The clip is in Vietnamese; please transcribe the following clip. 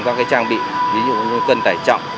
các trang bị ví dụ như cân tải trọng